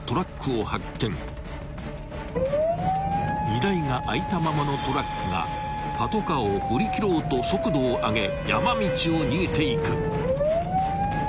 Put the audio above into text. ［荷台が開いたままのトラックがパトカーを振り切ろうと速度を上げ］